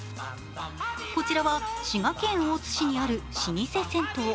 こちらは滋賀県大津市にある老舗銭湯。